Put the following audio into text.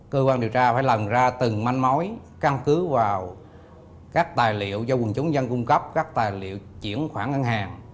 nhiều quan điều tra phải làm ra từng manh mối căn cứ vào các tài liệu do quân chống dân cung cấp các tài liệu chuyển khoản ngân hàng